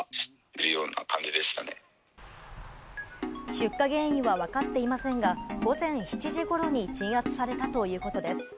出火原因は分かっていませんが、午前７時頃に鎮圧されたということです。